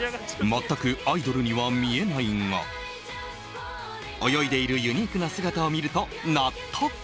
全くアイドルには見えないが、泳いでいるユニークな姿を見ると、納得。